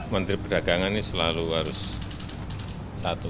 menteri perdagangan ini selalu harus satu